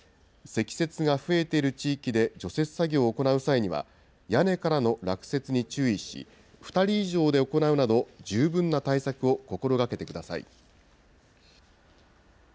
積雪が増えている地域で除雪作業を行う際には、屋根からの落雪に注意し、２人以上で行うなど、十分な対策を心がけてください。